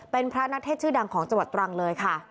เป็นพระนักเทศชื่อดังของจังหวัดตรังเลยค่ะ